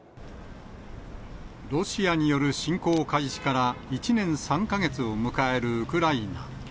ロシアによる侵攻開始から１年３か月を迎えるウクライナ。